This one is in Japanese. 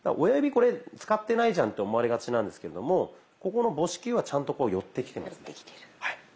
親指これ使ってないじゃんと思われがちなんですけれどもここの母指球はちゃんとこう寄ってきてますね。